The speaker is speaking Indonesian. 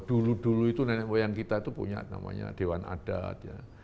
dulu dulu itu nenek moyang kita itu punya namanya dewan adat ya